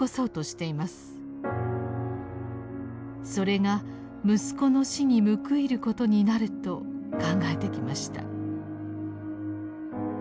それが息子の死に報いることになると考えてきました。